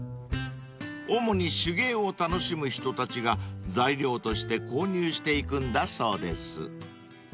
［主に手芸を楽しむ人たちが材料として購入していくんだそうです］